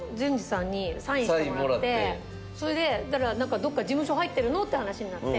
それでなんかどっか事務所入ってるの？って話になって。